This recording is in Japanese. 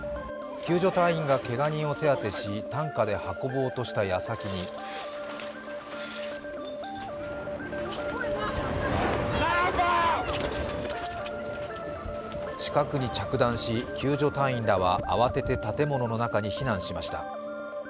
救助隊員がけが人を手当てし担架で運ぼうとした矢先近くに着弾し救助隊員らは慌てて建物の中に避難しました。